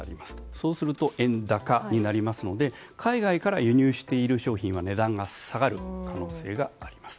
そうすると円高になりますので海外から輸入している商品は値段が下がる可能性があります。